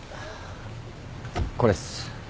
これっす。